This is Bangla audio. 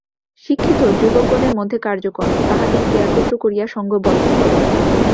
শিক্ষিত যুবকগণের মধ্যে কার্য কর, তাহাদিগকে একত্র করিয়া সঙ্ঘবদ্ধ কর।